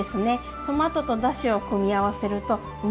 トマトとだしを組み合わせるとうまみたっぷり。